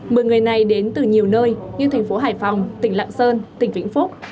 mười người này đến từ nhiều nơi như thành phố hải phòng tỉnh lạng sơn tỉnh vĩnh phúc